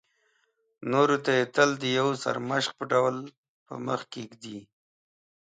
نورو ته یې تل د یو سرمشق په ډول په مخکې ږدي.